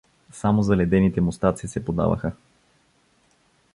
Само заледените мустаци се подаваха.